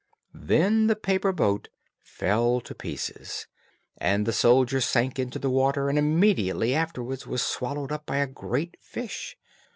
Then the paper boat fell to pieces, and the soldier sank into the water and immediately afterwards was swallowed up by a great fish.